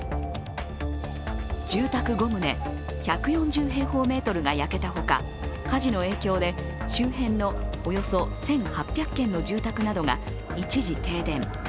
住宅５棟、１４０平方メートルが焼けたほか、火事の影響で周辺のおよそ１８００軒の住宅などが一時停電。